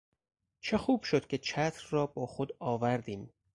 چه خوب شد که چتر را با خود آوردیم.